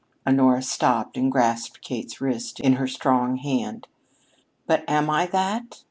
Honora stopped and grasped Kate's wrist in her strong hand. "But am I that?"